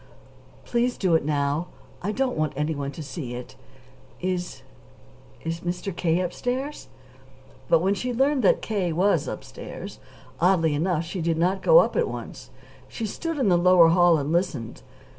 "Please do it now. I don't want anyone to see it. Is is Mr. K. upstairs?" But when she learned that K. was upstairs, oddly enough, she did not go up at once. She stood in the lower hall and listened.